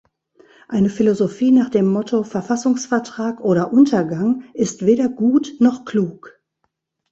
Eine Philosophie nach dem Motto "Verfassungsvertrag oder Untergang" ist weder gut noch klug.